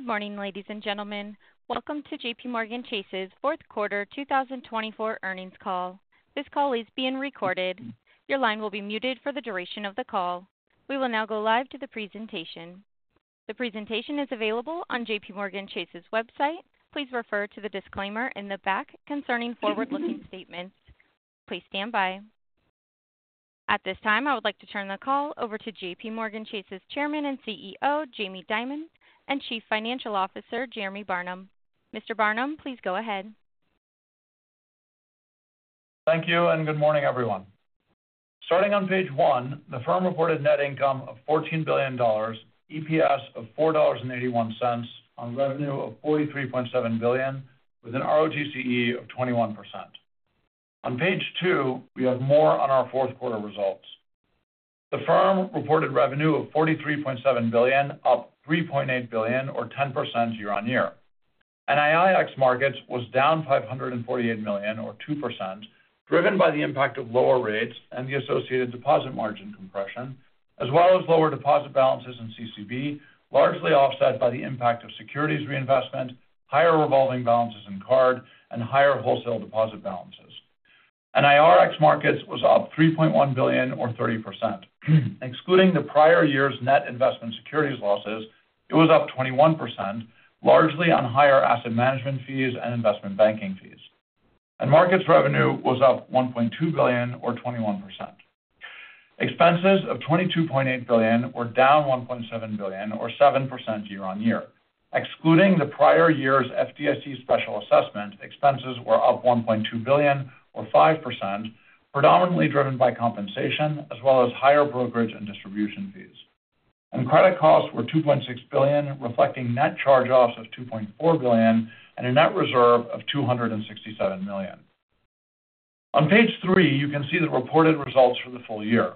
Good morning, ladies and gentlemen. Welcome to JPMorgan Chase's fourth quarter 2024 earnings call. This call is being recorded. Your line will be muted for the duration of the call. We will now go live to the presentation. The presentation is available on JPMorgan Chase's website. Please refer to the disclaimer in the back concerning forward-looking statements. Please stand by. At this time, I would like to turn the call over to JPMorgan Chase's Chairman and CEO, Jamie Dimon, and Chief Financial Officer, Jeremy Barnum. Mr. Barnum, please go ahead. Thank you and good morning, everyone. Starting on Page 1, the firm reported net income of $14 billion, EPS of $4.81, and revenue of $43.7 billion, with an ROTCE of 21%. On Page 2, we have more on our fourth quarter results. The firm reported revenue of $43.7 billion, up $3.8 billion, or 10% year-on-year. NII ex-Markets was down $548 million, or 2%, driven by the impact of lower rates and the associated deposit margin compression, as well as lower deposit balances in CCB, largely offset by the impact of securities reinvestment, higher revolving balances in card, and higher wholesale deposit balances. NIR ex-Markets was up $3.1 billion, or 30%. Excluding the prior year's net investment securities losses, it was up 21%, largely on higher asset management fees and investment banking fees. Markets revenue was up $1.2 billion, or 21%. Expenses of $22.8 billion were down $1.7 billion, or 7% year-on-year. Excluding the prior year's FDIC special assessment, expenses were up $1.2 billion, or 5%, predominantly driven by compensation, as well as higher brokerage and distribution fees, and credit costs were $2.6 billion, reflecting net charge-offs of $2.4 billion and a net reserve of $267 million. On Page 3, you can see the reported results for the full year.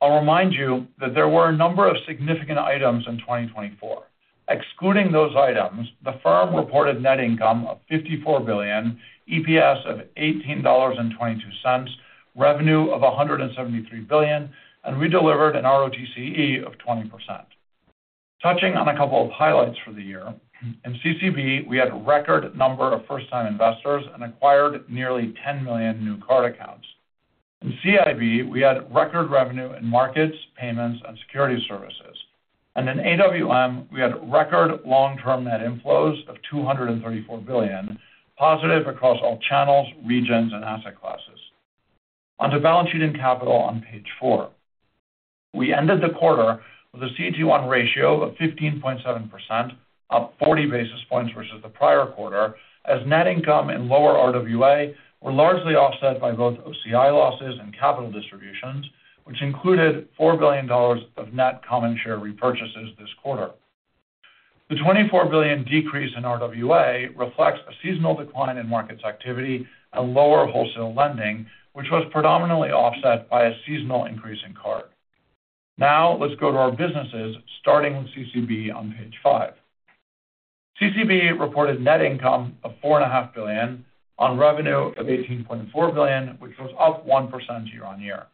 I'll remind you that there were a number of significant items in 2024. Excluding those items, the firm reported net income of $54 billion, EPS of $18.22, revenue of $173 billion, and we delivered an ROTCE of 20%. Touching on a couple of highlights for the year, in CCB, we had a record number of first-time investors and acquired nearly 10 million new card accounts. In CIB, we had record revenue in markets, payments, and security services. In AWM, we had record long-term net inflows of $234 billion, positive across all channels, regions, and asset classes. Onto balance sheet and capital on Page 4. We ended the quarter with a CET1 ratio of 15.7%, up 40 basis points versus the prior quarter, as net income and lower RWA were largely offset by both OCI losses and capital distributions, which included $4 billion of net common share repurchases this quarter. The $24 billion decrease in RWA reflects a seasonal decline in markets activity and lower wholesale lending, which was predominantly offset by a seasonal increase in card. Now let's go to our businesses, starting with CCB on Page 5. CCB reported net income of $4.5 billion on revenue of $18.4 billion, which was up 1% year-on-year.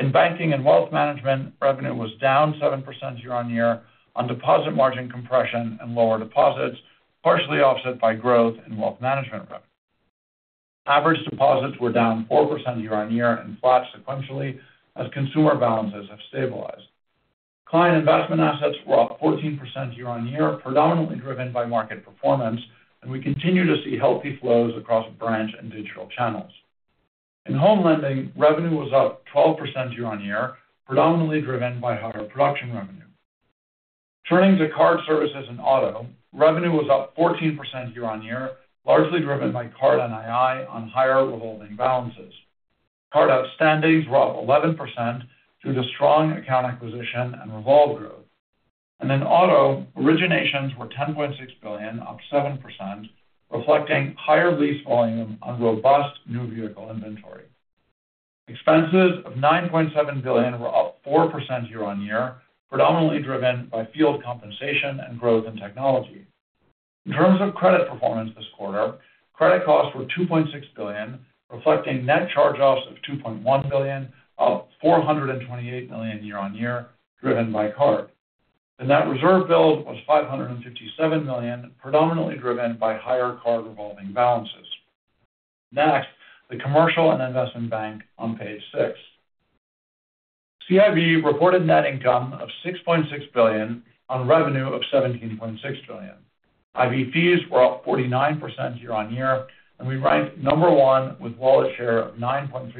In Banking & Wealth Management, revenue was down 7% year-on-year on deposit margin compression and lower deposits, partially offset by growth in wealth management revenue. Average deposits were down 4% year-on-year and flat sequentially as consumer balances have stabilized. Client investment assets were up 14% year-on-year, predominantly driven by market performance, and we continue to see healthy flows across branch and digital channels. In Home Lending, revenue was up 12% year-on-year, predominantly driven by higher production revenue. Turning to Card Services & Auto, revenue was up 14% year-on-year, largely driven by card NII on higher revolving balances. Card outstandings were up 11% due to strong account acquisition and revolve growth, and in auto, originations were $10.6 billion, up 7%, reflecting higher lease volume on robust new vehicle inventory. Expenses of $9.7 billion were up 4% year-on-year, predominantly driven by fixed compensation and growth in technology. In terms of credit performance this quarter, credit costs were $2.6 billion, reflecting net charge-offs of $2.1 billion, up $428 million year-on-year, driven by card. The net reserve build was $557 million, predominantly driven by higher card revolving balances. Next, the Commercial & Investment Bank on Page 6. CIB reported net income of $6.6 billion on revenue of $17.6 billion. IB fees were up 49% year-on-year, and we ranked number one with wallet share of 9.3%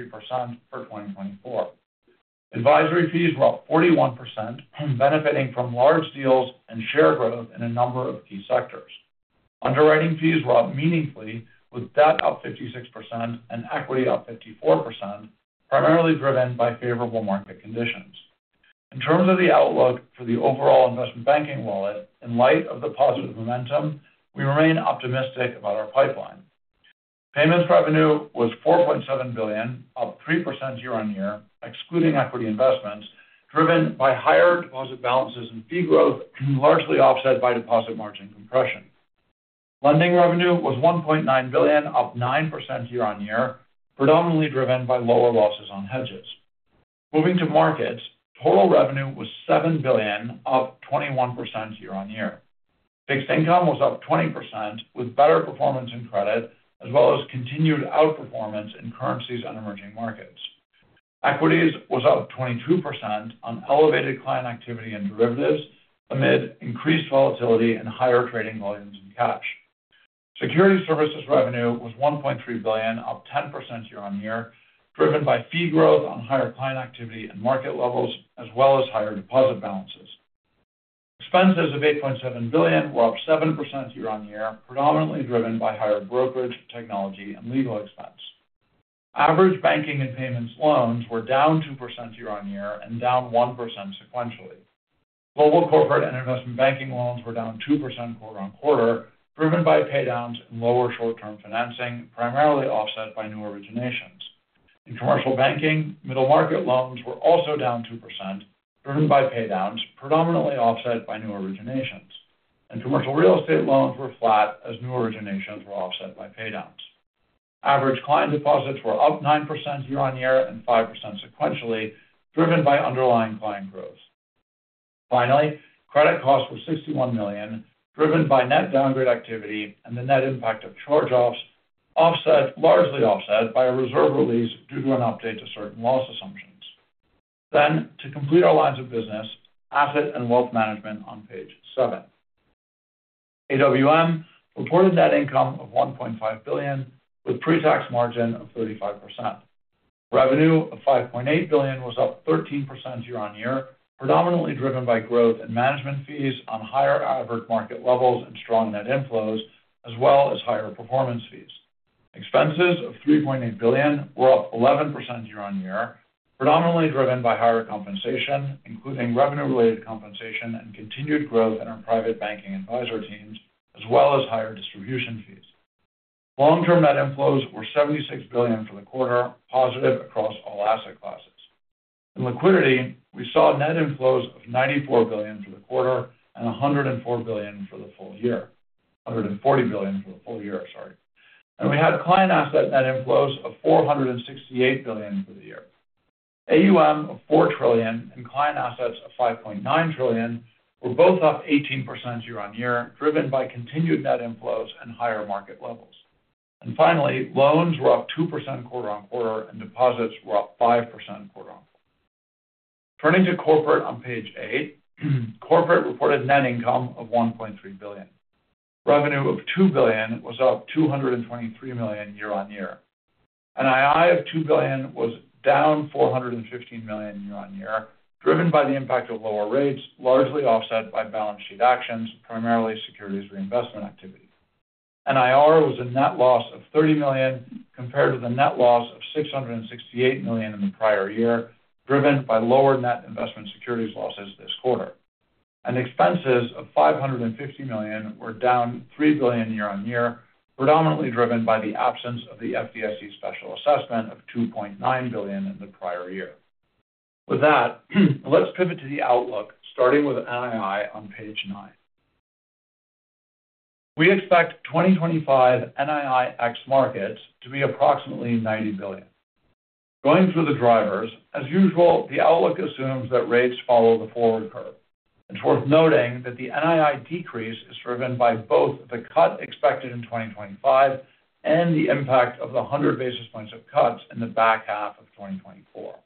for 2024. Advisory fees were up 41%, benefiting from large deals and share growth in a number of key sectors. Underwriting fees were up meaningfully, with debt up 56% and equity up 54%, primarily driven by favorable market conditions. In terms of the outlook for the overall investment banking wallet, in light of the positive momentum, we remain optimistic about our pipeline. Payments revenue was $4.7 billion, up 3% year-on-year, excluding equity investments, driven by higher deposit balances and fee growth, largely offset by deposit margin compression. Lending revenue was $1.9 billion, up 9% year-on-year, predominantly driven by lower losses on hedges. Moving to Markets, total revenue was $7 billion, up 21% year-on-year. Fixed Income was up 20%, with better performance in credit, as well as continued outperformance in currencies and emerging markets. Equities was up 22% on elevated client activity and derivatives, amid increased volatility and higher trading volumes in cash. Security Services revenue was $1.3 billion, up 10% year-on-year, driven by fee growth on higher client activity and market levels, as well as higher deposit balances. Expenses of $8.7 billion were up 7% year-on-year, predominantly driven by higher brokerage, technology, and legal expense. Average banking and payments loans were down 2% year-on-year and down 1% sequentially. Global corporate and investment banking loans were down 2% quarter-on-quarter, driven by paydowns and lower short-term financing, primarily offset by new originations. In commercial banking, middle market loans were also down 2%, driven by paydowns, predominantly offset by new originations, and commercial real estate loans were flat, as new originations were offset by paydowns. Average client deposits were up 9% year-on-year and 5% sequentially, driven by underlying client growth. Finally, credit costs were $61 million, driven by net downgrade activity and the net impact of charge-offs, largely offset by a reserve release due to an update to certain loss assumptions. Then, to complete our lines of business, Asset & Wealth Management on page seven. AWM reported net income of $1.5 billion, with pre-tax margin of 35%. Revenue of $5.8 billion was up 13% year-on-year, predominantly driven by growth in management fees on higher average market levels and strong net inflows, as well as higher performance fees. Expenses of $3.8 billion were up 11% year-on-year, predominantly driven by higher compensation, including revenue-related compensation and continued growth in our private banking advisor teams, as well as higher distribution fees. Long-term net inflows were $76 billion for the quarter, positive across all asset classes. In liquidity, we saw net inflows of $94 billion for the quarter and $104 billion for the full year, $140 billion for the full year, sorry. And we had client asset net inflows of $468 billion for the year. AUM of $4 trillion and client assets of $5.9 trillion were both up 18% year-on-year, driven by continued net inflows and higher market levels, and finally, loans were up 2% quarter-on-quarter, and deposits were up 5% quarter-on-quarter. Turning to Corporate on Page 8, Corporate reported net income of $1.3 billion. Revenue of $2 billion was up $223 million year-on-year. NII of $2 billion was down $415 million year-on-year, driven by the impact of lower rates, largely offset by balance sheet actions, primarily securities reinvestment activity. NIR was a net loss of $30 million compared to the net loss of $668 million in the prior year, driven by lower net investment securities losses this quarter. Expenses of $550 million were down $3 billion year-on-year, predominantly driven by the absence of the FDIC special assessment of $2.9 billion in the prior year. With that, let's pivot to the outlook, starting with NII on Page 9. We expect 2025 NII ex-Markets to be approximately $90 billion. Going through the drivers, as usual, the outlook assumes that rates follow the forward curve. It's worth noting that the NII decrease is driven by both the cut expected in 2025 and the impact of the 100 basis points of cuts in the back half of 2024.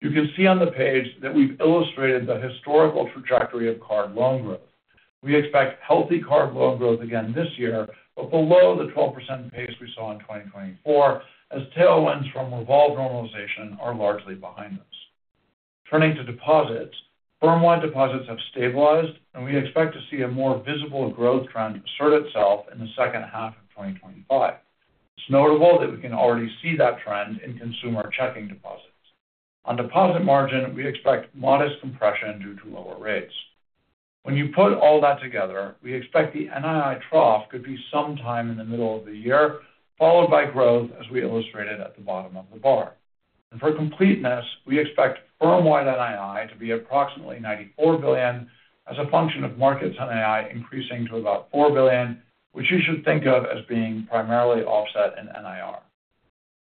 You can see on the page that we've illustrated the historical trajectory of card loan growth. We expect healthy card loan growth again this year, but below the 12% pace we saw in 2024, as tailwinds from revolve normalization are largely behind us. Turning to deposits, firm-wide deposits have stabilized, and we expect to see a more visible growth trend assert itself in the second half of 2025. It's notable that we can already see that trend in consumer checking deposits. On deposit margin, we expect modest compression due to lower rates. When you put all that together, we expect the NII trough could be sometime in the middle of the year, followed by growth, as we illustrated at the bottom of the bar. And for completeness, we expect firm-wide NII to be approximately $94 billion, as a function of markets NII increasing to about $4 billion, which you should think of as being primarily offset in NIR.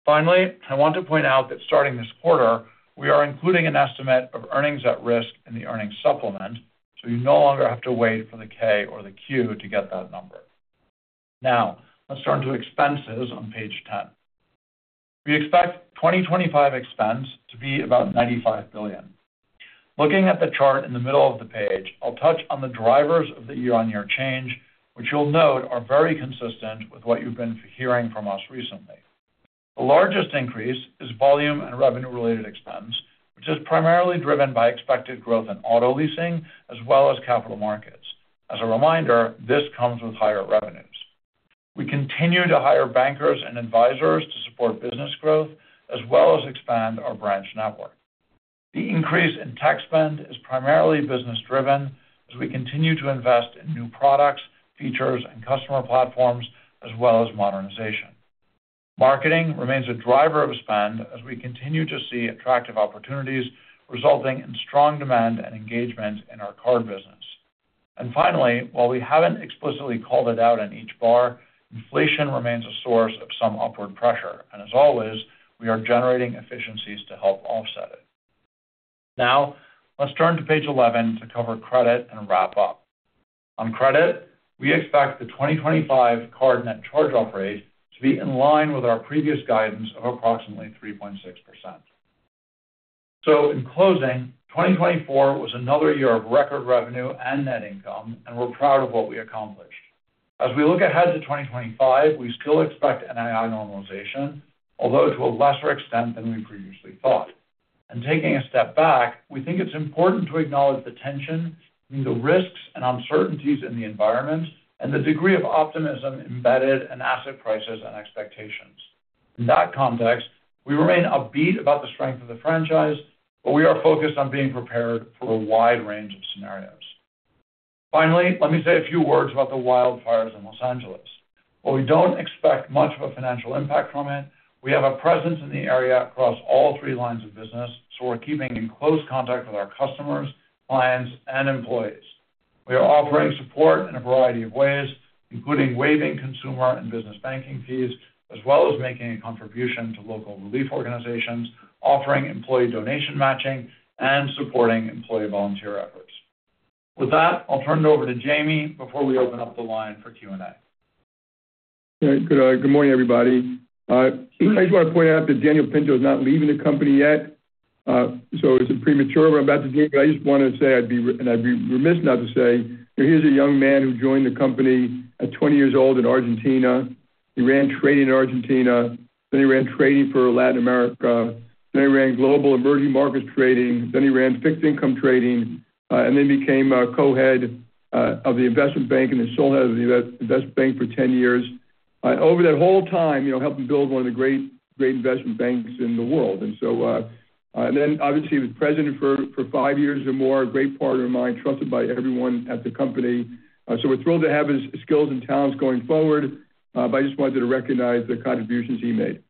Finally, I want to point out that starting this quarter, we are including an estimate of earnings at risk in the earnings supplement, so you no longer have to wait for the K or the Q to get that number. Now, let's turn to expenses on Page 10. We expect 2025 expense to be about $95 billion. Looking at the chart in the middle of the page, I'll touch on the drivers of the year-on-year change, which you'll note are very consistent with what you've been hearing from us recently. The largest increase is volume and revenue-related expense, which is primarily driven by expected growth in auto leasing, as well as capital markets. As a reminder, this comes with higher revenues. We continue to hire bankers and advisors to support business growth, as well as expand our branch network. The increase in tech spend is primarily business-driven, as we continue to invest in new products, features, and customer platforms, as well as modernization. Marketing remains a driver of spend, as we continue to see attractive opportunities, resulting in strong demand and engagement in our card business. And finally, while we haven't explicitly called it out in each bar, inflation remains a source of some upward pressure, and as always, we are generating efficiencies to help offset it. Now, let's turn to Page 11 to cover credit and wrap up. On credit, we expect the 2025 card net charge-off rate to be in line with our previous guidance of approximately 3.6%. So, in closing, 2024 was another year of record revenue and net income, and we're proud of what we accomplished. As we look ahead to 2025, we still expect NII normalization, although to a lesser extent than we previously thought, and taking a step back, we think it's important to acknowledge the tension, the risks and uncertainties in the environment, and the degree of optimism embedded in asset prices and expectations. In that context, we remain upbeat about the strength of the franchise, but we are focused on being prepared for a wide range of scenarios. Finally, let me say a few words about the wildfires in Los Angeles. While we don't expect much of a financial impact from it, we have a presence in the area across all three lines of business, so we're keeping in close contact with our customers, clients, and employees. We are offering support in a variety of ways, including waiving consumer and business banking fees, as well as making a contribution to local relief organizations, offering employee donation matching, and supporting employee volunteer efforts. With that, I'll turn it over to Jamie before we open up the line for Q&A. Good morning, everybody. I just want to point out that Daniel Pinto is not leaving the company yet, so it's a premature one about to do, but I just want to say I'd be remiss not to say, here's a young man who joined the company at 20 years old in Argentina. He ran trading in Argentina, then he ran trading for Latin America, then he ran global emerging markets trading, then he ran fixed income trading, and then became co-head of the investment bank and the sole head of the investment bank for 10 years. Over that whole time, helping build one of the great investment banks in the world. And then, obviously, he was president for five years or more, a great partner of mine, trusted by everyone at the company. So we're thrilled to have his skills and talents going forward, but I just wanted to recognize the contributions he made.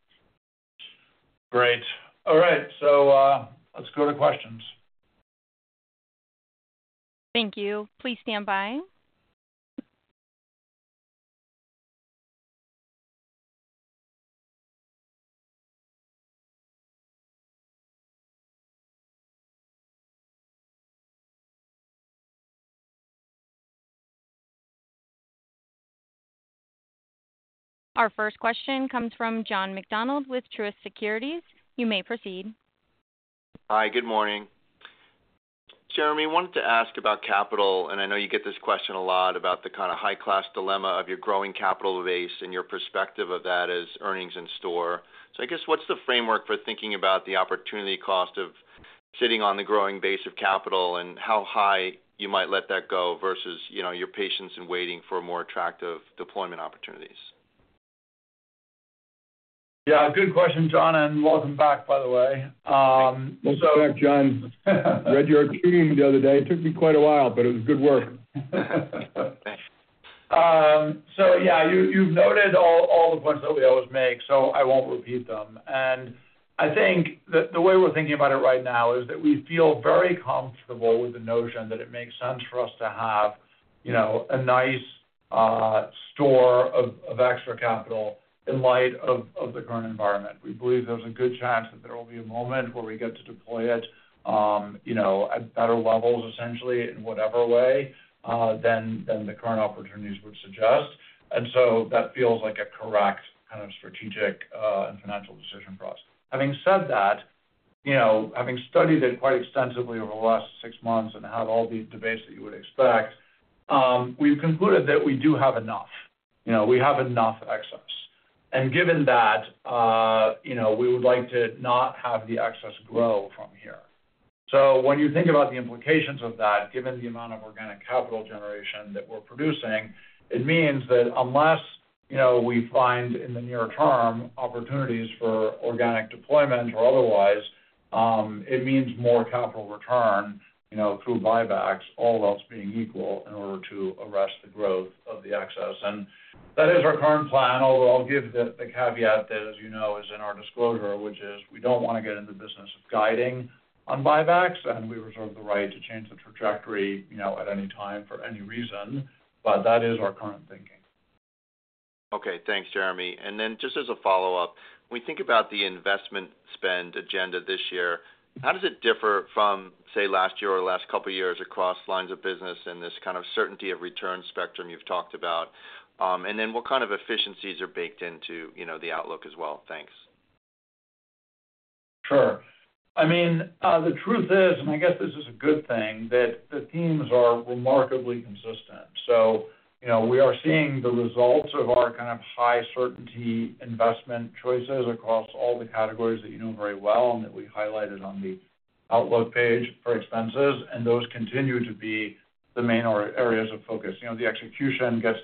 Great. All right. So let's go to questions. Thank you. Please stand by. Our first question comes from John McDonald with Truist Securities. You may proceed. Hi, good morning. Jeremy, I wanted to ask about capital, and I know you get this question a lot about the kind of high-class dilemma of your growing capital base and your perspective of that as earnings in store. So I guess, what's the framework for thinking about the opportunity cost of sitting on the growing base of capital and how high you might let that go versus your patience in waiting for more attractive deployment opportunities? Yeah, good question, John, and welcome back, by the way. Thank you. John, read your opinion the other day. It took me quite a while, but it was good work. Thanks. So yeah, you've noted all the points that we always make, so I won't repeat them. And I think the way we're thinking about it right now is that we feel very comfortable with the notion that it makes sense for us to have a nice store of extra capital in light of the current environment. We believe there's a good chance that there will be a moment where we get to deploy it at better levels, essentially, in whatever way than the current opportunities would suggest. And so that feels like a correct kind of strategic and financial decision for us. Having said that, having studied it quite extensively over the last six months and had all the debates that you would expect, we've concluded that we do have enough. We have enough excess. And given that, we would like to not have the excess grow from here. So when you think about the implications of that, given the amount of organic capital generation that we're producing, it means that unless we find in the near term opportunities for organic deployment or otherwise, it means more capital return through buybacks, all else being equal, in order to arrest the growth of the excess. And that is our current plan, although I'll give the caveat that, as you know, is in our disclosure, which is we don't want to get into the business of guiding on buybacks, and we reserve the right to change the trajectory at any time for any reason, but that is our current thinking. Okay. Thanks, Jeremy. And then just as a follow-up, when we think about the investment spend agenda this year, how does it differ from, say, last year or last couple of years across lines of business in this kind of certainty of return spectrum you've talked about? And then what kind of efficiencies are baked into the outlook as well? Thanks. Sure. I mean, the truth is, and I guess this is a good thing, that the teams are remarkably consistent. So we are seeing the results of our kind of high certainty investment choices across all the categories that you know very well and that we highlighted on the outlook page for expenses, and those continue to be the main areas of focus. The execution gets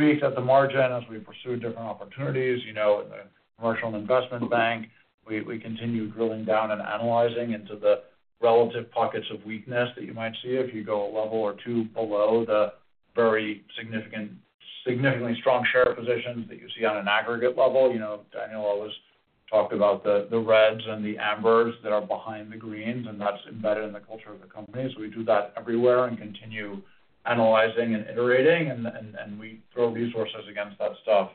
tweaked at the margin as we pursue different opportunities in the Commercial & Investment Bank. We continue drilling down and analyzing into the relative pockets of weakness that you might see if you go a level or two below the very significantly strong share positions that you see on an aggregate level. Daniel always talked about the reds and the ambers that are behind the greens, and that's embedded in the culture of the company. So we do that everywhere and continue analyzing and iterating, and we throw resources against that stuff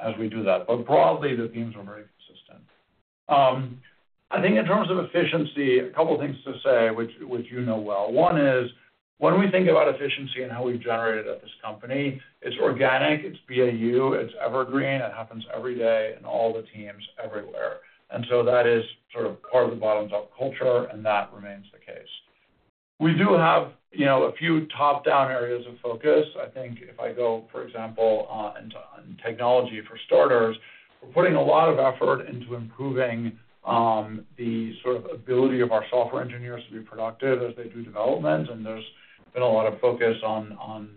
as we do that. But broadly, the teams are very consistent. I think in terms of efficiency, a couple of things to say, which you know well. One is, when we think about efficiency and how we've generated at this company, it's organic, it's BAU, it's evergreen, it happens every day in all the teams everywhere. And so that is sort of part of the bottoms-up culture, and that remains the case. We do have a few top-down areas of focus. I think if I go, for example, into technology for starters, we're putting a lot of effort into improving the sort of ability of our software engineers to be productive as they do development, and there's been a lot of focus on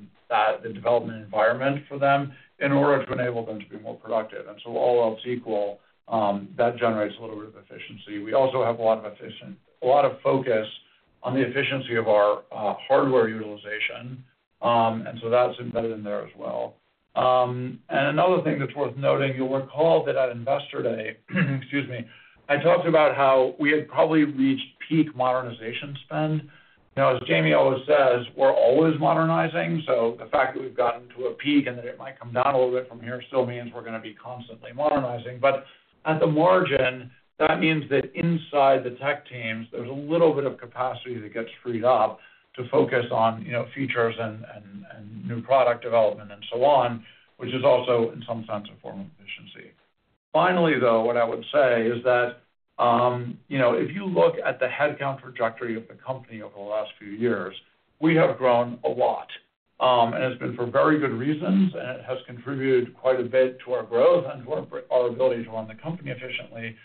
the development environment for them in order to enable them to be more productive. And so all else equal, that generates a little bit of efficiency. We also have a lot of focus on the efficiency of our hardware utilization, and so that's embedded in there as well. And another thing that's worth noting, you'll recall that at Investor Day, excuse me, I talked about how we had probably reached peak modernization spend. As Jamie always says, we're always modernizing. So the fact that we've gotten to a peak and that it might come down a little bit from here still means we're going to be constantly modernizing. But at the margin, that means that inside the tech teams, there's a little bit of capacity that gets freed up to focus on features and new product development and so on, which is also in some sense a form of efficiency. Finally, though, what I would say is that if you look at the headcount trajectory of the company over the last few years, we have grown a lot, and it's been for very good reasons, and it has contributed quite a bit to our growth and to our ability to run the company efficiently,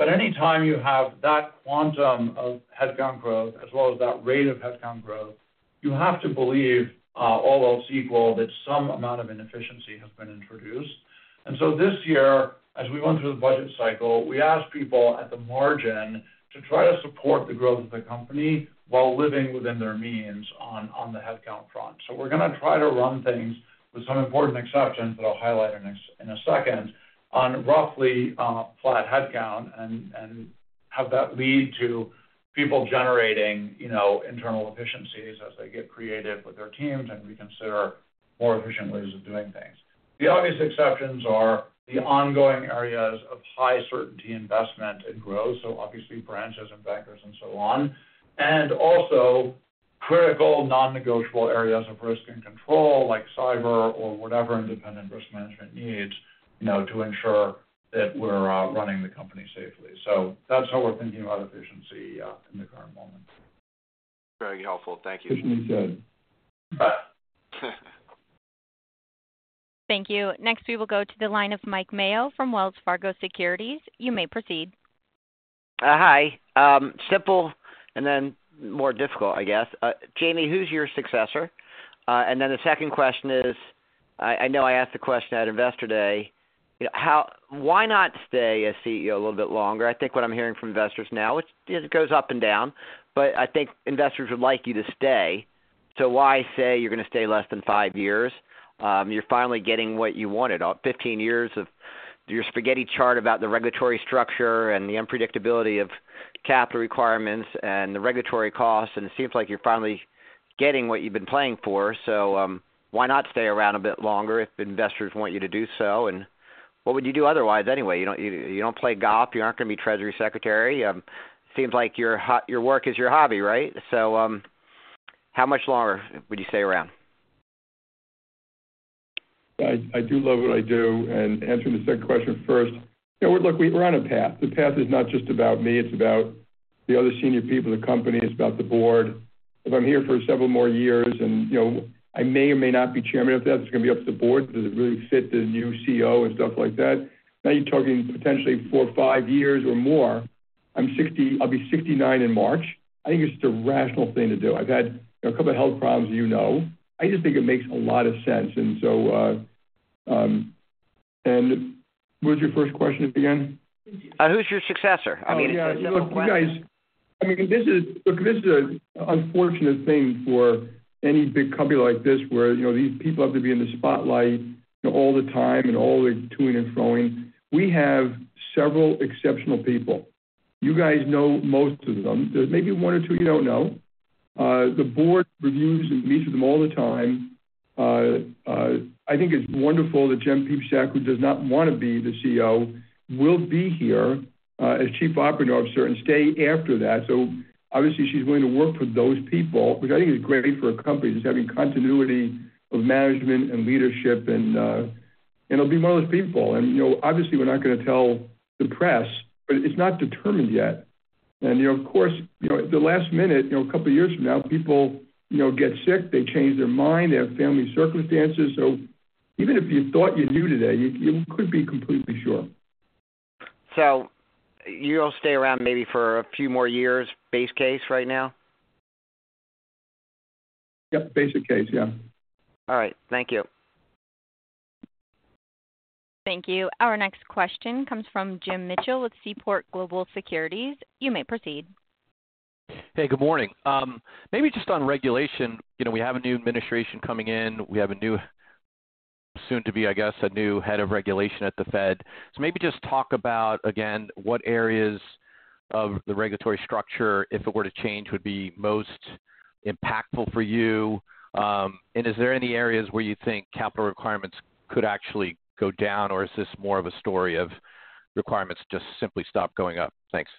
but anytime you have that quantum of headcount growth as well as that rate of headcount growth, you have to believe, all else equal, that some amount of inefficiency has been introduced, and so this year, as we went through the budget cycle, we asked people at the margin to try to support the growth of the company while living within their means on the headcount front. So we're going to try to run things, with some important exceptions that I'll highlight in a second, on roughly flat headcount and have that lead to people generating internal efficiencies as they get creative with their teams and reconsider more efficient ways of doing things. The obvious exceptions are the ongoing areas of high certainty investment and growth, so obviously branches and bankers and so on, and also critical non-negotiable areas of risk and control like cyber or whatever independent risk management needs to ensure that we're running the company safely. So that's how we're thinking about efficiency in the current moment. Very helpful. Thank you. You do good. Bye. Thank you. Next, we will go to the line of Mike Mayo from Wells Fargo Securities. You may proceed. Hi. Simple and then more difficult, I guess. Jamie, who's your successor? And then the second question is, I know I asked the question at Investor Day. Why not stay as CEO a little bit longer? I think what I'm hearing from investors now, it goes up and down, but I think investors would like you to stay. So why say you're going to stay less than five years? You're finally getting what you wanted. 15 years of your spaghetti chart about the regulatory structure and the unpredictability of capital requirements and the regulatory costs, and it seems like you're finally getting what you've been praying for. So why not stay around a bit longer if investors want you to do so? And what would you do otherwise anyway? You don't play golf. You aren't going to be Treasury Secretary. It seems like your work is your hobby, right? So how much longer would you stay around? I do love what I do. And answering the second question first, look, we're on a path. The path is not just about me. It's about the other senior people in the company. It's about the board. If I'm here for several more years and I may or may not be chairman of that, it's going to be up to the board to really fit the new CEO and stuff like that. Now you're talking potentially four or five years or more. I'll be 69 in March. I think it's just a rational thing to do. I've had a couple of health problems, you know. I just think it makes a lot of sense. And what was your first question again? Who's your successor? I mean, it's a good question. I mean, this is an unfortunate thing for any big company like this where these people have to be in the spotlight all the time and all the toing and froing. We have several exceptional people. You guys know most of them. There's maybe one or two you don't know. The board reviews and meets with them all the time. I think it's wonderful that Jen Piepszak, who does not want to be the CEO, will be here as Chief Operating Officer and stay after that. So obviously, she's willing to work for those people, which I think is great for a company that's having continuity of management and leadership, and it'll be one of those people. And obviously, we're not going to tell the press, but it's not determined yet. Of course, at the last minute, a couple of years from now, people get sick, they change their mind, they have family circumstances. So even if you thought you knew today, you couldn't be completely sure. So you'll stay around maybe for a few more years, base case right now? Yep. Base case. Yeah. All right. Thank you. Thank you. Our next question comes from Jim Mitchell with Seaport Global Securities. You may proceed. Hey, good morning. Maybe just on regulation. We have a new administration coming in. We have a new, soon to be, I guess, a new head of regulation at the Fed. So maybe just talk about, again, what areas of the regulatory structure, if it were to change, would be most impactful for you? And is there any areas where you think capital requirements could actually go down, or is this more of a story of requirements just simply stop going up? Thanks.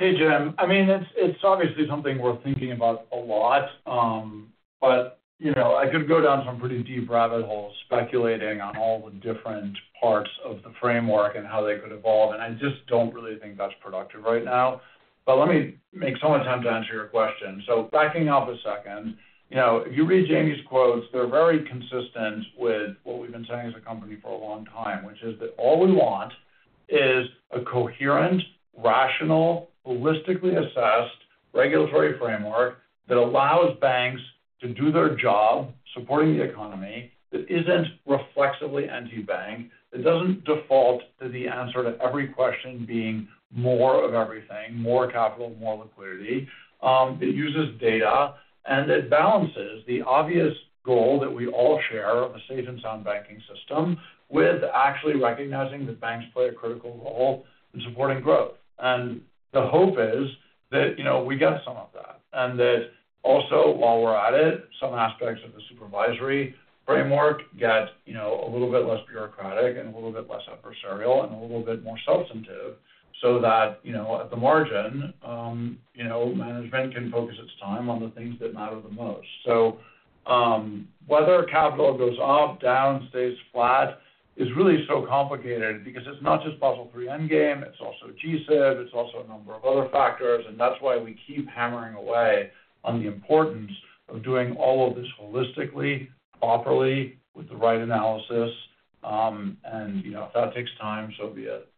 Hey, Jim. I mean, it's obviously something worth thinking about a lot, but I could go down some pretty deep rabbit holes speculating on all the different parts of the framework and how they could evolve. And I just don't really think that's productive right now. But let me make some more time to answer your question. Backing off a second, if you read Jamie's quotes, they're very consistent with what we've been saying as a company for a long time, which is that all we want is a coherent, rational, holistically assessed regulatory framework that allows banks to do their job supporting the economy, that isn't reflexively anti-bank, that doesn't default to the answer to every question being more of everything, more capital, more liquidity. It uses data, and it balances the obvious goal that we all share of a safe and sound banking system with actually recognizing that banks play a critical role in supporting growth. The hope is that we get some of that and that also, while we're at it, some aspects of the supervisory framework get a little bit less bureaucratic and a little bit less adversarial and a little bit more substantive so that at the margin, management can focus its time on the things that matter the most. Whether capital goes up, down, stays flat is really so complicated because it's not just Basel III Endgame. It's also GSIB. It's also a number of other factors. That's why we keep hammering away on the importance of doing all of this holistically, properly, with the right analysis. If that takes time, so be it.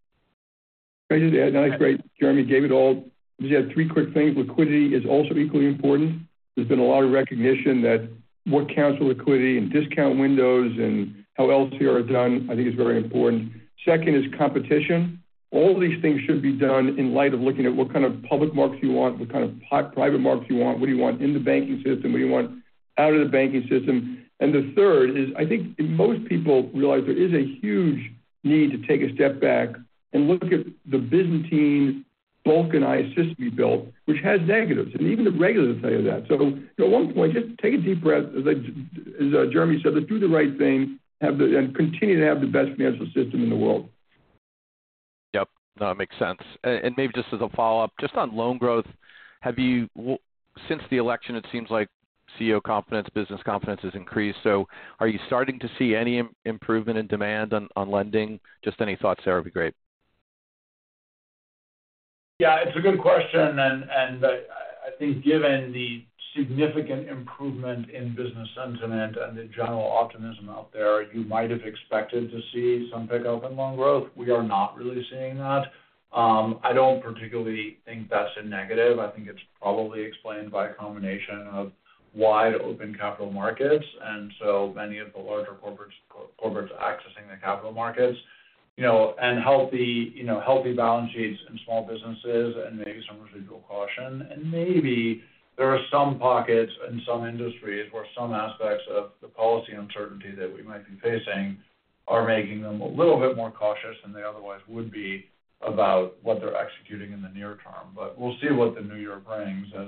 Nice break. Jeremy gave it all. Just had three quick things. Liquidity is also equally important. There's been a lot of recognition that what counts for liquidity and discount windows and how else you are done, I think, is very important. Second is competition. All these things should be done in light of looking at what kind of public markets you want, what kind of private markets you want, what do you want in the banking system, what do you want out of the banking system. And the third is, I think most people realize there is a huge need to take a step back and look at the Byzantine Balkanized system we built, which has negatives. And even the regulators tell you that. So at one point, just take a deep breath, as Jeremy said, do the right thing and continue to have the best financial system in the world. Yep. No, it makes sense. And maybe just as a follow-up, just on loan growth, since the election, it seems like CEO confidence, business confidence has increased. So are you starting to see any improvement in demand on lending? Just any thoughts there would be great. Yeah. It's a good question. And I think given the significant improvement in business sentiment and the general optimism out there, you might have expected to see some pickup in loan growth. We are not really seeing that. I don't particularly think that's a negative. I think it's probably explained by a combination of wide open capital markets and so many of the larger corporates accessing the capital markets and healthy balance sheets in small businesses and maybe some residual caution. And maybe there are some pockets in some industries where some aspects of the policy uncertainty that we might be facing are making them a little bit more cautious than they otherwise would be about what they're executing in the near term. But we'll see what the new year brings as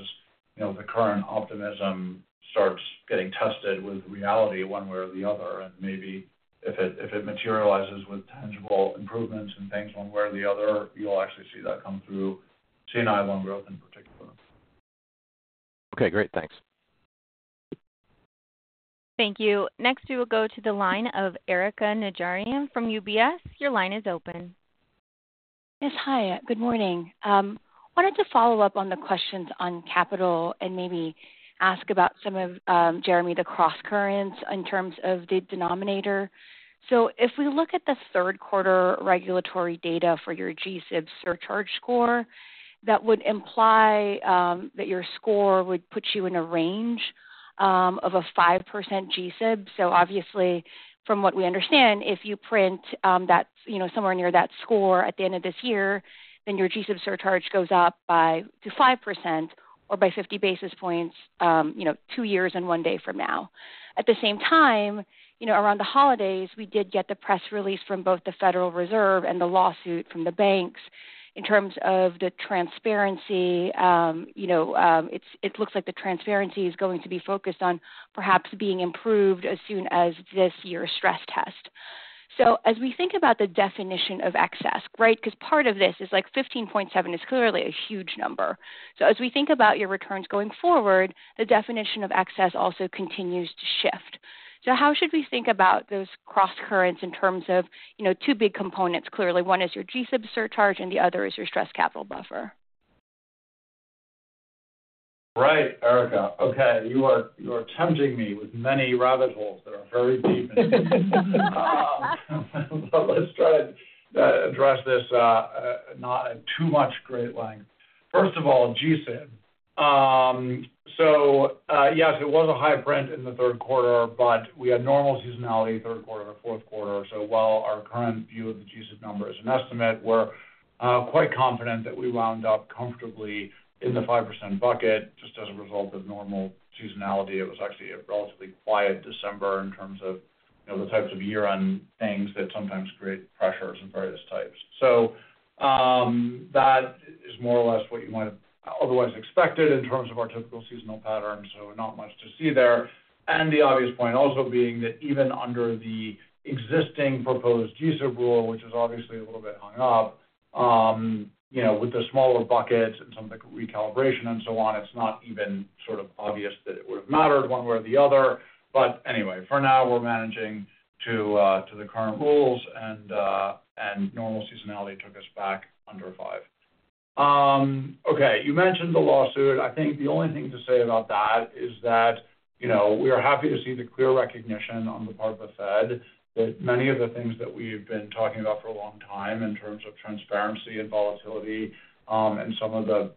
the current optimism starts getting tested with reality one way or the other. And maybe if it materializes with tangible improvements and things one way or the other, you'll actually see that come through, see an uptick in loan growth in particular. Okay. Great. Thanks. Thank you. Next, we will go to the line of Erika Najarian from UBS. Your line is open. Yes. Hi. Good morning. Wanted to follow up on the questions on capital and maybe ask about some of, Jeremy, the cross currents in terms of the denominator. So if we look at the third quarter regulatory data for your GSIB surcharge score, that would imply that your score would put you in a range of a 5% GSIB. So obviously, from what we understand, if you print somewhere near that score at the end of this year, then your GSIB surcharge goes up to 5% or by 50 basis points two years and one day from now. At the same time, around the holidays, we did get the press release from both the Federal Reserve and the lawsuit from the banks in terms of the transparency. It looks like the transparency is going to be focused on perhaps being improved as soon as this year's stress test. So as we think about the definition of excess, right, because part of this is like 15.7 is clearly a huge number. So as we think about your returns going forward, the definition of excess also continues to shift. So how should we think about those cross currents in terms of two big components? Clearly, one is your GSIB surcharge and the other is your stress capital buffer. Right, Erica. Okay. You are tempting me with many rabbit holes that are very deep in this. But let's try to address this not in too much great length. First of all, GSIB. So yes, it was a high print in the third quarter, but we had normal seasonality third quarter and fourth quarter. So while our current view of the GSIB number is an estimate, we're quite confident that we wound up comfortably in the 5% bucket just as a result of normal seasonality. It was actually a relatively quiet December in terms of the types of year-end things that sometimes create pressures of various types. So that is more or less what you might have otherwise expected in terms of our typical seasonal pattern. So not much to see there. And the obvious point also being that even under the existing proposed GSIB rule, which is obviously a little bit hung up with the smaller buckets and some recalibration and so on, it's not even sort of obvious that it would have mattered one way or the other. But anyway, for now, we're managing to the current rules, and normal seasonality took us back under five. Okay. You mentioned the lawsuit. I think the only thing to say about that is that we are happy to see the clear recognition on the part of the Fed that many of the things that we've been talking about for a long time in terms of transparency and volatility and some of the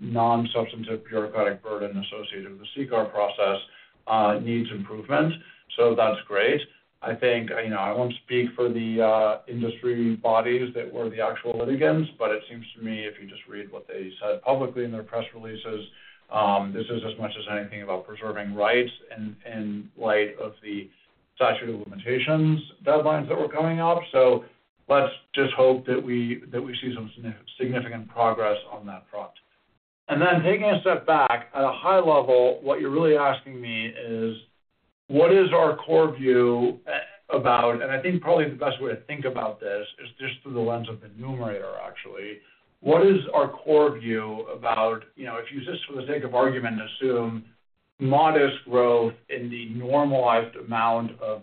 non-substantive bureaucratic burden associated with the CCAR process needs improvement. So that's great. I think I won't speak for the industry bodies that were the actual litigants, but it seems to me, if you just read what they said publicly in their press releases, this is as much as anything about preserving rights in light of the statute of limitations deadlines that were coming up. So let's just hope that we see some significant progress on that front, and then taking a step back, at a high level, what you're really asking me is, what is our core view about? I think probably the best way to think about this is just through the lens of the numerator, actually. What is our core view about if you just, for the sake of argument, assume modest growth in the normalized amount of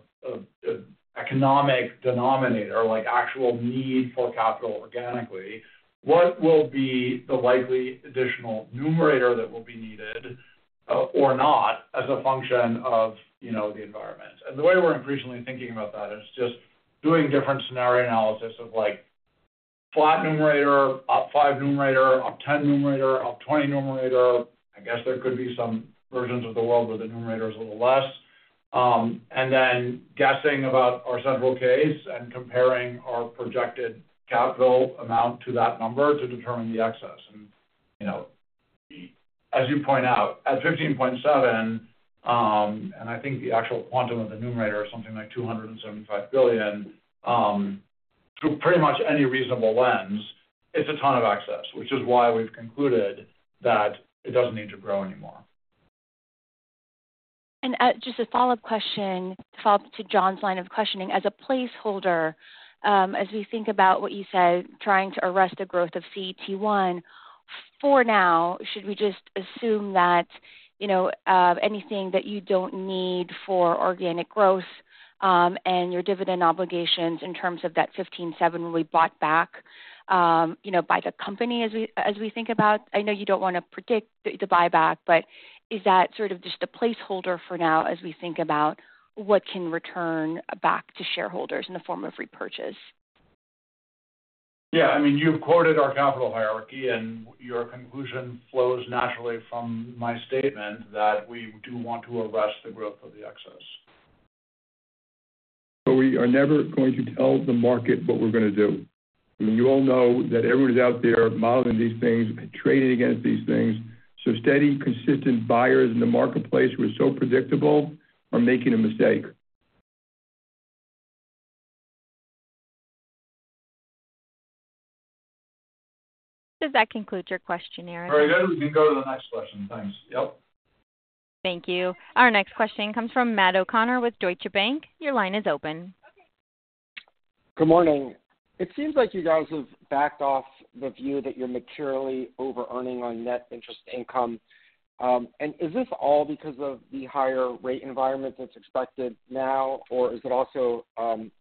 economic denominator, like actual need for capital organically, what will be the likely additional numerator that will be needed or not as a function of the environment? The way we're increasingly thinking about that is just doing different scenario analysis of flat numerator, up five numerator, up ten numerator, up twenty numerator. I guess there could be some versions of the world where the numerator is a little less. Then guessing about our central case and comparing our projected capital amount to that number to determine the excess. And as you point out, at 15.7%, and I think the actual quantum of the numerator is something like $275 billion, through pretty much any reasonable lens, it's a ton of excess, which is why we've concluded that it doesn't need to grow anymore. And just a follow-up question to follow up to John's line of questioning. As a placeholder, as we think about what you said, trying to arrest the growth of CET1, for now, should we just assume that anything that you don't need for organic growth and your dividend obligations in terms of that 15.7% will be bought back by the company as we think about? I know you don't want to predict the buyback, but is that sort of just a placeholder for now as we think about what can return back to shareholders in the form of repurchase? Yeah. I mean, you've quoted our capital hierarchy, and your conclusion flows naturally from my statement that we do want to arrest the growth of the excess. So we are never going to tell the market what we're going to do. I mean, you all know that everyone's out there modeling these things, trading against these things. So steady, consistent buyers in the marketplace who are so predictable are making a mistake. Does that conclude your question, Erika? Very good. We can go to the next question. Thanks. Yep. Thank you. Our next question comes from Matt O'Connor with Deutsche Bank. Your line is open. Good morning. It seems like you guys have backed off the view that you're materially over-earning on net interest income. And is this all because of the higher rate environment that's expected now, or is it also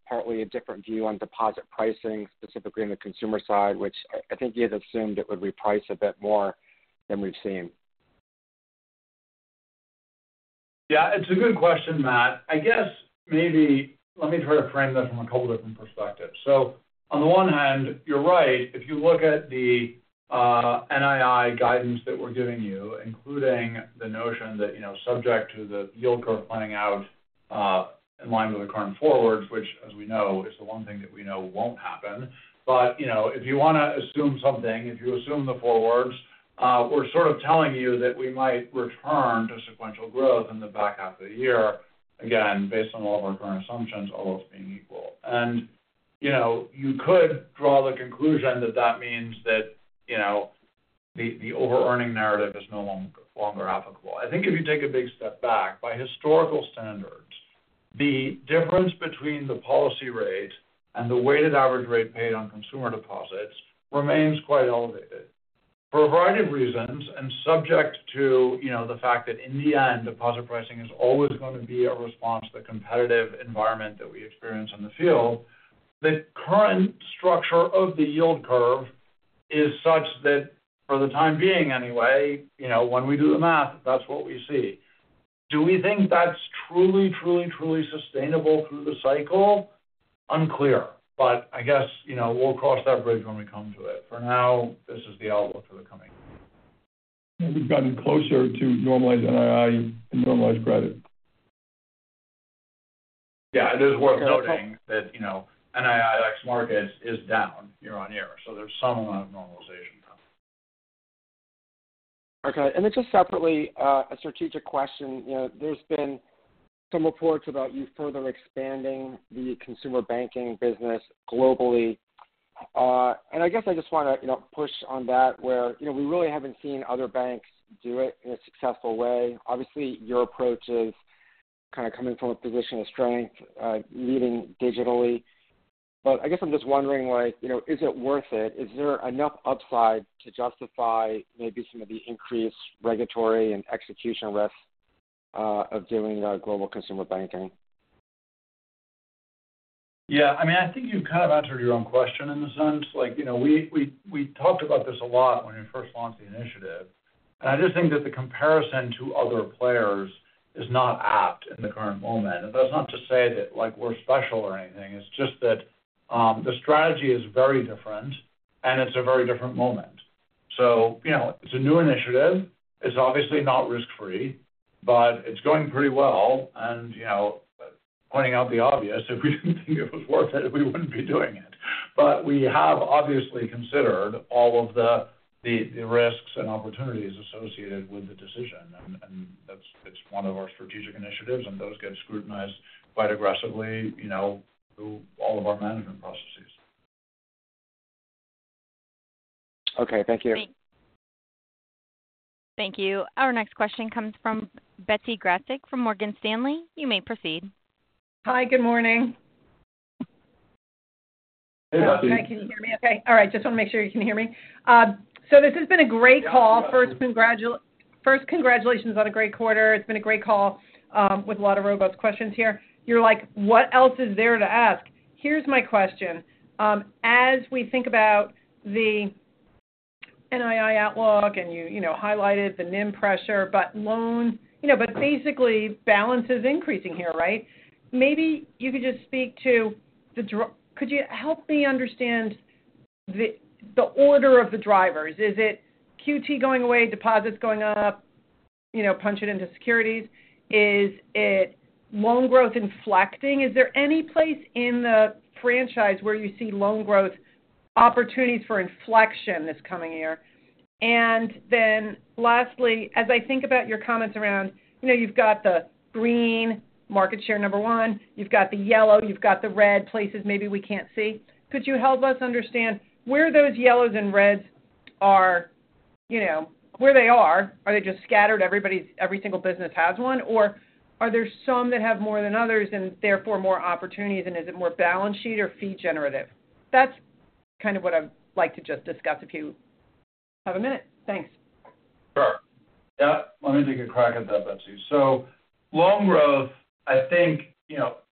partly a different view on deposit pricing, specifically on the consumer side, which I think you had assumed it would reprice a bit more than we've seen? Yeah. It's a good question, Matt. I guess maybe let me try to frame this from a couple of different perspectives. So on the one hand, you're right. If you look at the NII guidance that we're giving you, including the notion that subject to the yield curve playing out in line with the current forwards, which, as we know, is the one thing that we know won't happen. But if you want to assume something, if you assume the forwards, we're sort of telling you that we might return to sequential growth in the back half of the year, again, based on all of our current assumptions, all else being equal. And you could draw the conclusion that that means that the over-earning narrative is no longer applicable. I think if you take a big step back, by historical standards, the difference between the policy rate and the weighted average rate paid on consumer deposits remains quite elevated for a variety of reasons and subject to the fact that in the end, deposit pricing is always going to be a response to the competitive environment that we experience in the field. The current structure of the yield curve is such that, for the time being anyway, when we do the math, that's what we see. Do we think that's truly, truly, truly sustainable through the cycle? Unclear. But I guess we'll cross that bridge when we come to it. For now, this is the outlook for the coming year. We've gotten closer to normalized NII and normalized credit. Yeah. It is worth noting that NII ex-markets is down year-on-year. So there's some amount of normalization now. Okay. And then just separately, a strategic question. There's been some reports about you further expanding the consumer banking business globally. And I guess I just want to push on that where we really haven't seen other banks do it in a successful way. Obviously, your approach is kind of coming from a position of strength, leading digitally. But I guess I'm just wondering, is it worth it? Is there enough upside to justify maybe some of the increased regulatory and execution risks of doing global consumer banking? Yeah. I mean, I think you've kind of answered your own question in a sense. We talked about this a lot when we first launched the initiative. And I just think that the comparison to other players is not apt in the current moment. And that's not to say that we're special or anything. It's just that the strategy is very different, and it's a very different moment. So it's a new initiative. It's obviously not risk-free, but it's going pretty well. And pointing out the obvious, if we didn't think it was worth it, we wouldn't be doing it. But we have obviously considered all of the risks and opportunities associated with the decision. And it's one of our strategic initiatives, and those get scrutinized quite aggressively through all of our management processes. Okay. Thank you. Thank you. Our next question comes from Betsy Graseck from Morgan Stanley. You may proceed. Hi. Good morning. Hey, Betsy. Can you hear me okay? All right. Just want to make sure you can hear me. So this has been a great call. First, congratulations on a great quarter. It's been a great call with a lot of robust questions here. You're like, "What else is there to ask?" Here's my question. As we think about the NII outlook, and you highlighted the NIM pressure, but loan basically balance is increasing here, right? Maybe you could just speak to the could you help me understand the order of the drivers? Is it QT going away, deposits going up, punch it into securities? Is it loan growth inflecting? Is there any place in the franchise where you see loan growth opportunities for inflection this coming year? And then lastly, as I think about your comments around, you've got the green market share number one. You've got the yellow. You've got the red places maybe we can't see. Could you help us understand where those yellows and reds are where they are? Are they just scattered? Every single business has one? Or are there some that have more than others and therefore more opportunities? And is it more balance sheet or fee generative? That's kind of what I'd like to just discuss if you have a minute. Thanks. Sure. Yep. Let me take a crack at that, Betsy. So loan growth, I think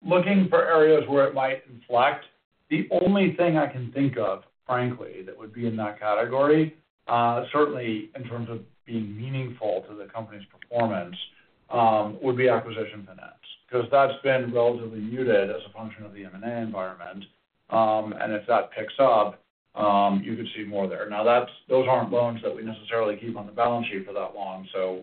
looking for areas where it might inflect, the only thing I can think of, frankly, that would be in that category, certainly in terms of being meaningful to the company's performance, would be acquisition finance because that's been relatively muted as a function of the M&A environment. And if that picks up, you could see more there. Now, those aren't loans that we necessarily keep on the balance sheet for that long. So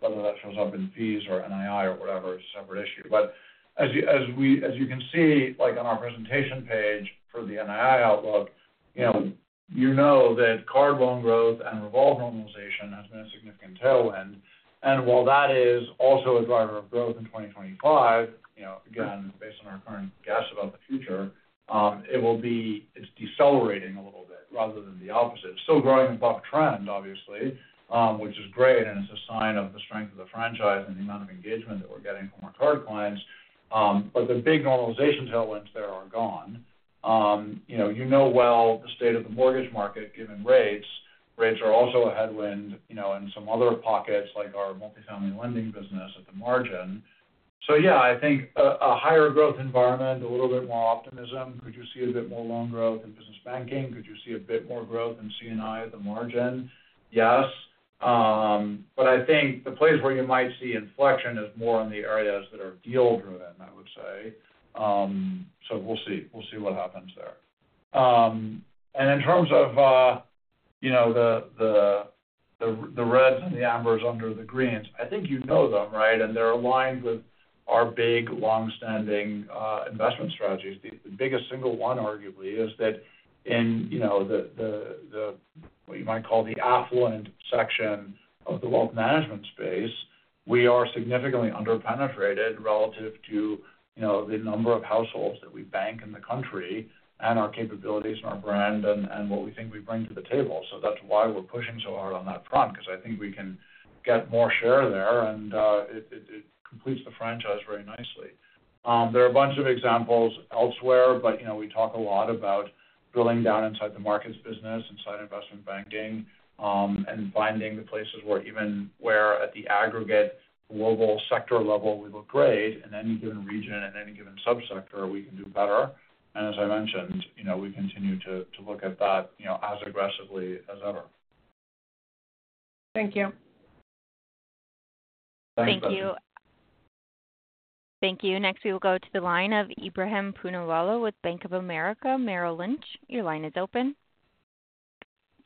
whether that shows up in fees or NII or whatever is a separate issue. But as you can see on our presentation page for the NII outlook, you know that card loan growth and revolve normalization has been a significant tailwind. While that is also a driver of growth in 2025, again, based on our current guess about the future, it will be. It's decelerating a little bit rather than the opposite. It's still growing above trend, obviously, which is great. It's a sign of the strength of the franchise and the amount of engagement that we're getting from our card clients. The big normalization tailwinds there are gone. You know, well, the state of the mortgage market given rates. Rates are also a headwind in some other pockets like our multifamily lending business at the margin. Yeah, I think a higher growth environment, a little bit more optimism. Could you see a bit more loan growth in business banking? Could you see a bit more growth in C&I at the margin? Yes. But I think the place where you might see inflection is more in the areas that are deal-driven, I would say. So we'll see. We'll see what happens there. And in terms of the reds and the ambers under the greens, I think you know them, right? And they're aligned with our big long-standing investment strategies. The biggest single one, arguably, is that in what you might call the affluent section of the wealth management space, we are significantly underpenetrated relative to the number of households that we bank in the country and our capabilities and our brand and what we think we bring to the table. So that's why we're pushing so hard on that front because I think we can get more share there, and it completes the franchise very nicely. There are a bunch of examples elsewhere, but we talk a lot about drilling down inside the markets business, inside investment banking, and finding the places where even where at the aggregate global sector level we look great, in any given region, in any given subsector, we can do better, and as I mentioned, we continue to look at that as aggressively as ever. Thank you. Thank you. Thank you. Thank you. Next, we will go to the line of Ebrahim Poonawalla with Bank of America Merrill Lynch, your line is open.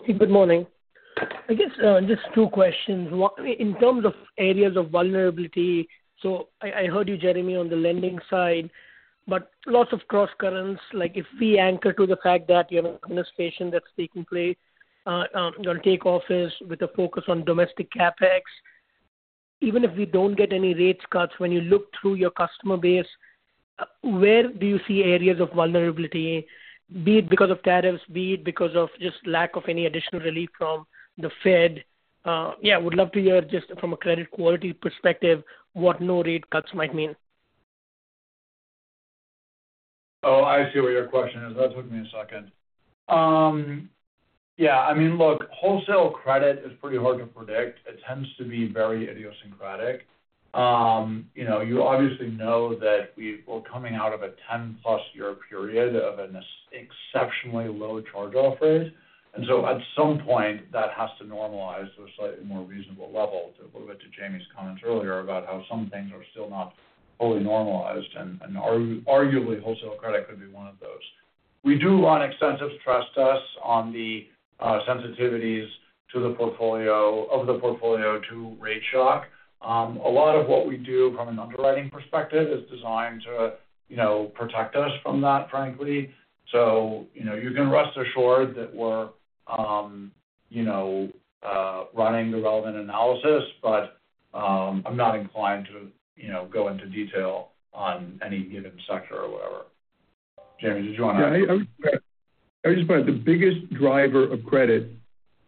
Good morning. I guess just two questions. In terms of areas of vulnerability, so I heard you, Jeremy, on the lending side, but lots of cross-currents. If we anchor to the fact that you have an administration that's taking office with a focus on domestic CapEx, even if we don't get any rate cuts, when you look through your customer base, where do you see areas of vulnerability, be it because of tariffs, be it because of just lack of any additional relief from the Fed? Yeah. Would love to hear just from a credit quality perspective what no rate cuts might mean. Oh, I see what your question is. That took me a second. Yeah. I mean, look, wholesale credit is pretty hard to predict. It tends to be very idiosyncratic. You obviously know that we're coming out of a 10-plus-year period of an exceptionally low charge-off rate. And so at some point, that has to normalize to a slightly more reasonable level, to a little bit to Jamie's comments earlier about how some things are still not fully normalized. And arguably, wholesale credit could be one of those. We do run extensive stress tests on the sensitivities of the portfolio to rate shock. A lot of what we do from an underwriting perspective is designed to protect us from that, frankly. So you can rest assured that we're running the relevant analysis, but I'm not inclined to go into detail on any given sector or whatever. Jamie, did you want to add to that? Yeah. I would just add the biggest driver of credit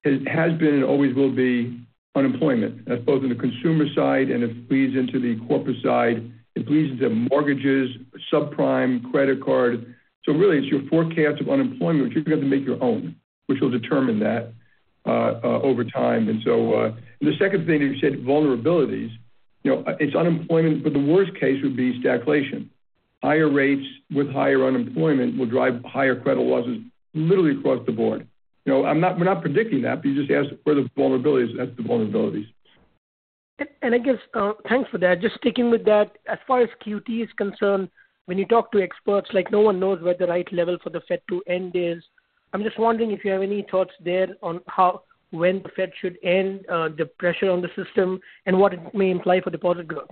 has been and always will be unemployment. That's both on the consumer side, and it bleeds into the corporate side. It bleeds into mortgages, subprime, credit card. So really, it's your forecast of unemployment, which you're going to have to make your own, which will determine that over time. And so the second thing that you said, vulnerabilities, it's unemployment, but the worst case would be stagflation. Higher rates with higher unemployment will drive higher credit losses literally across the board. We're not predicting that, but you just asked where the vulnerabilities are. That's the vulnerabilities. And I guess thanks for that. Just sticking with that, as far as QT is concerned, when you talk to experts, no one knows what the right level for the Fed to end is. I'm just wondering if you have any thoughts there on when the Fed should end the pressure on the system and what it may imply for deposit growth.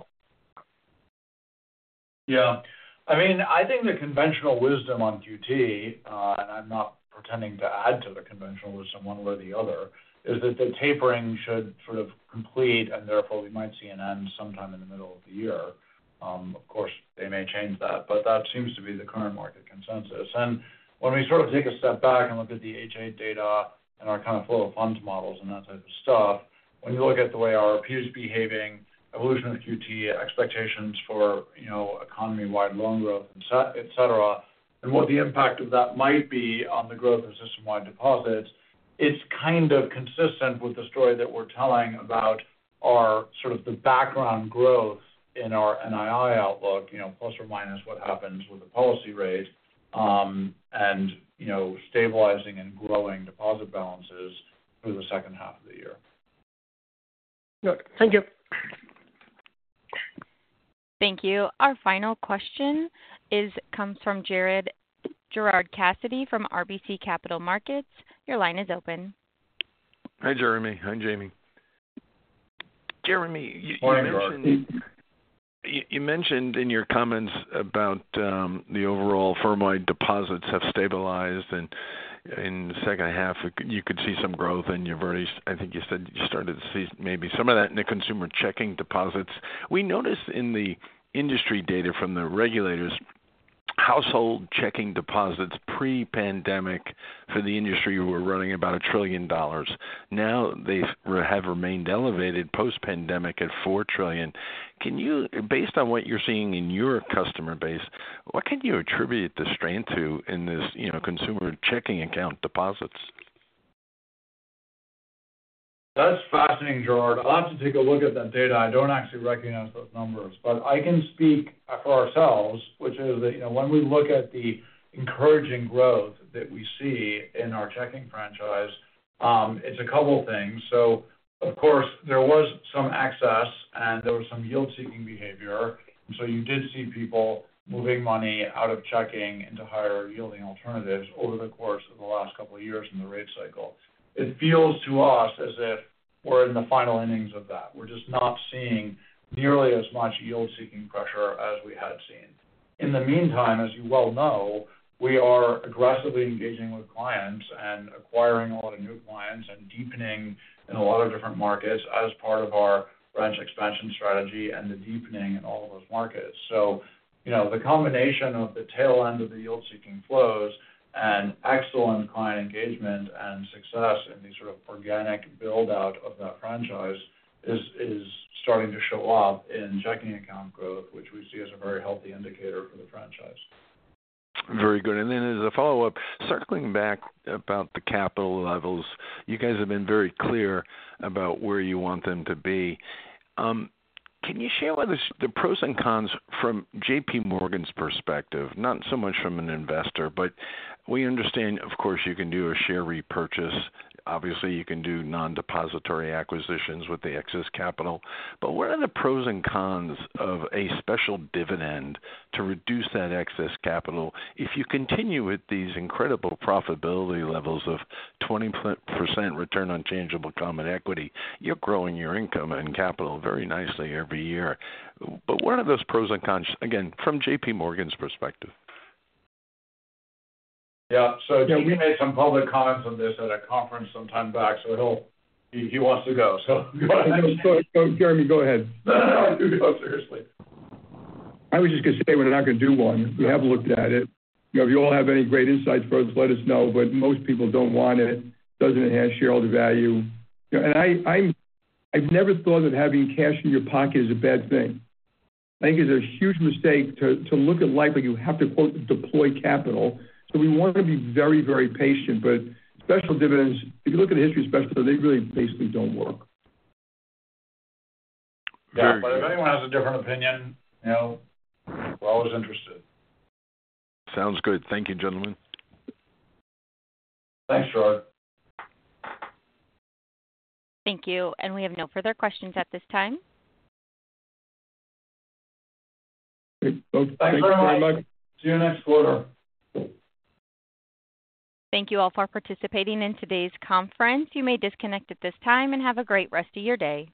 Yeah. I mean, I think the conventional wisdom on QT, and I'm not pretending to add to the conventional wisdom one way or the other, is that the tapering should sort of complete, and therefore, we might see an end sometime in the middle of the year. Of course, they may change that, but that seems to be the current market consensus. When we sort of take a step back and look at the H.8 data and our kind of flow of funds models and that type of stuff, when you look at the way RRP is behaving, evolution of QT, expectations for economy-wide loan growth, etc., and what the impact of that might be on the growth of system-wide deposits, it's kind of consistent with the story that we're telling about our sort of the background growth in our NII outlook, plus or minus what happens with the policy rate and stabilizing and growing deposit balances through the second half of the year. Thank you. Thank you. Our final question comes from Gerard Cassidy from RBC Capital Markets. Your line is open. Hi, Jeremy. Hi, Jamie. Jeremy. Good morning, Gerard. in your comments about the overall firm-wide deposits have stabilized, and in the second half, you could see some growth. I think you said you started to see maybe some of that in the consumer checking deposits. We noticed in the industry data from the regulators, household checking deposits pre-pandemic for the industry were running about $1 trillion. Now, they have remained elevated post-pandemic at $4 trillion. Based on what you're seeing in your customer base, what can you attribute the strain to in these consumer checking account deposits? That's fascinating, Gerard. I'll have to take a look at that data. I don't actually recognize those numbers, but I can speak for ourselves, which is that when we look at the encouraging growth that we see in our checking franchise, it's a couple of things. Of course, there was some excess, and there was some yield-seeking behavior. And so you did see people moving money out of checking into higher-yielding alternatives over the course of the last couple of years in the rate cycle. It feels to us as if we're in the final innings of that. We're just not seeing nearly as much yield-seeking pressure as we had seen. In the meantime, as you well know, we are aggressively engaging with clients and acquiring a lot of new clients and deepening in a lot of different markets as part of our branch expansion strategy and the deepening in all of those markets. So the combination of the tail end of the yield-seeking flows and excellent client engagement and success in the sort of organic build-out of that franchise is starting to show up in checking account growth, which we see as a very healthy indicator for the franchise. Very good. And then as a follow-up, circling back about the capital levels, you guys have been very clear about where you want them to be. Can you share with us the pros and cons from JPMorgan's perspective, not so much from an investor, but we understand, of course, you can do a share repurchase. Obviously, you can do non-depository acquisitions with the excess capital. But what are the pros and cons of a special dividend to reduce that excess capital? If you continue with these incredible profitability levels of 20% return on tangible common equity, you're growing your income and capital very nicely every year. But what are those pros and cons, again, from JPMorgan's perspective? Yeah. So we made some public comments on this at a conference sometime back, so he wants to go. So go ahead. Jeremy, go ahead. No, seriously. I was just going to say we're not going to do one. We have looked at it. If you all have any great insights for us, let us know. But most people don't want it. It doesn't enhance shareholder value. I've never thought that having cash in your pocket is a bad thing. I think it's a huge mistake to look at life like you have to, quote, deploy capital. We want to be very, very patient. Special dividends, if you look at the history of special dividends, they really basically don't work. Yeah. If anyone has a different opinion, we're always interested. Sounds good. Thank you, gentlemen. Thanks, Gerard. Thank you. We have no further questions at this time. Thanks very much. See you next quarter. Thank you all for participating in today's conference. You may disconnect at this time and have a great rest of your day.